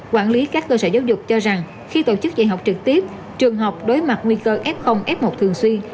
quản lý các cơ sở giáo dục cho rằng khi tổ chức dạy học trực tiếp trường học đối mặt nguy cơ f f một thường xuyên